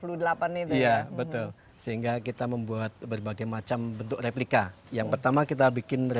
untuk memiliki sesuatu seperti ini sebagai perumahan